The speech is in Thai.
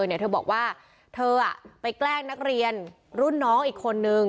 เธอบอกว่าเธอไปแกล้งนักเรียนรุ่นน้องอีกคนนึง